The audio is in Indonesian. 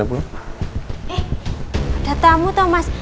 eh ada tamu tuh mas